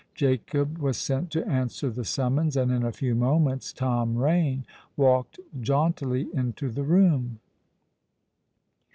Jacob was sent to answer the summons; and in a few moments Tom Rain walked jauntily into the room.